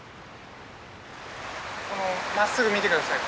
このまっすぐ見て下さい。